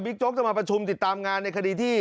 โจ๊กจะมาประชุมติดตามงานในคดีที่